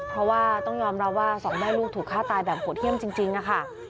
เพราะว่าต้องยอมรับว่าสองแม่ลูกถูกฆ่าตายแบบโหดเยี่ยมจริงนะคะ